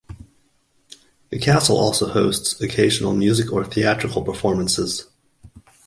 The castle also hosts occasional music or theatrical performances.